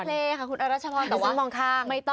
จะเพลย์ค่ะคุณอรัชพรแต่ว่า